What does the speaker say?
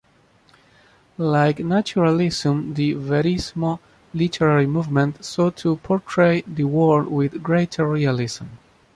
Like naturalism, the "verismo" literary movement sought to portray the world with greater realism.